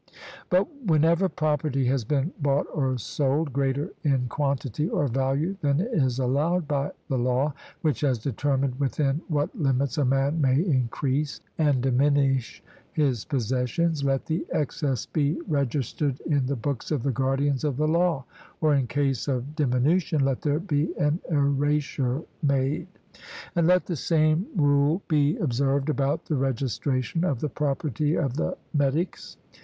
But whenever property has been bought or sold, greater in quantity or value than is allowed by the law, which has determined within what limits a man may increase and diminish his possessions, let the excess be registered in the books of the guardians of the law; or in case of diminution, let there be an erasure made. And let the same rule be observed about the registration of the property of the metics.